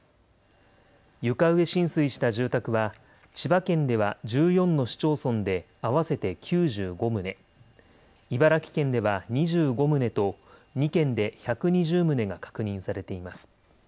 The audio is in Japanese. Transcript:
床上浸水した住宅は、千葉県では１４の市町村で合わせて９５棟、茨城県では２５棟と、２県で１２０棟が確認されています。